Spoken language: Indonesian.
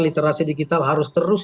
literasi digital harus terus